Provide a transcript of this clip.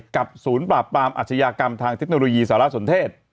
กับศูนย์ปราบปรามอาชญากรรมทางเทคโนโลยีสารสนเทศ